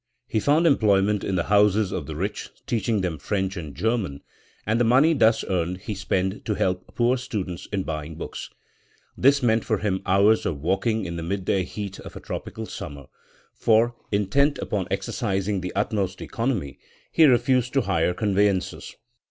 He found employment in the houses of the rich, teaching them French and German, and the money thus earned he spent to help poor students in buying books. This meant for him hours of walking in the mid day heat of a tropical summer; for, intent upon exercising the utmost economy, he refused to hire conveyances.